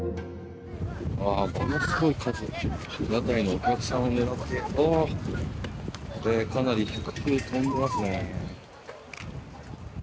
ものすごい数屋台のお客さんを狙ってかなり低く飛んでいますね。